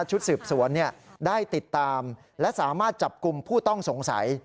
ชุดสืบสวนได้ติดตามและสามารถจับกลุ่มผู้ต้องสงสัย